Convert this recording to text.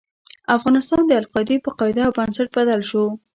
افغانستان د القاعدې په قاعده او بنسټ بدل شو.